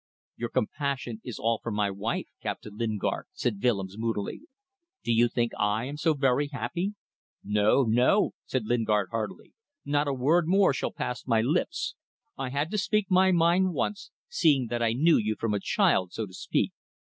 "Your compassion is all for my wife, Captain Lingard," said Willems, moodily. "Do you think I am so very happy?" "No! no!" said Lingard, heartily. "Not a word more shall pass my lips. I had to speak my mind once, seeing that I knew you from a child, so to speak.